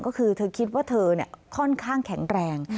ก็คือเธอคิดว่าเธอค่อนข้างแข็งแรง